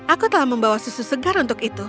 aku telah membawa susu segar untuk itu